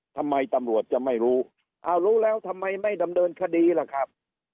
ทำไมตำรวจจะไม่รู้อ้าวรู้แล้วทำไมไม่ดำเนินคดีล่ะครับ